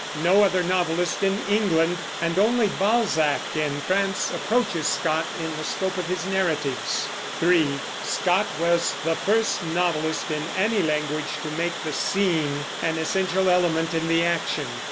No other novelist in England, and only Balzac in France, approaches Scott in the scope of his narratives. (3) Scott was the first novelist in any language to make the scene an essential element in the action.